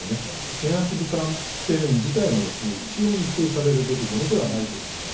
ネガティブキャンペーン自体も一様に否定されるべきものではないと思います。